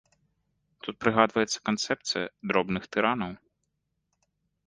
Тут прыгадваецца канцэпцыя дробных тыранаў.